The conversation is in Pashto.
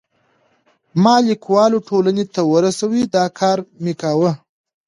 ما لیکوالو ټولنې ته ورسوی، دا کار مې کاوه.